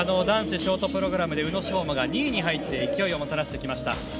男子ショートプログラムで宇野昌磨が２位に入って勢いをもたらしてきました。